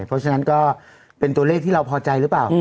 เพราะฉะนั้นก็เป็นตัวเลขที่เราพอใจหรือเปล่า